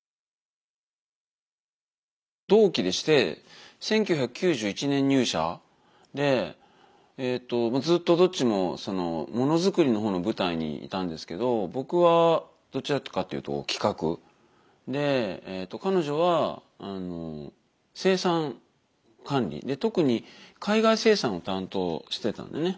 同期でして１９９１年入社でずっとどっちも物作りのほうの部隊にいたんですけど僕はどちらかっていうと企画で彼女は生産管理特に海外生産を担当してたんだよね。